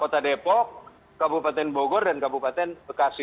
kota depok kabupaten bogor dan kabupaten bekasi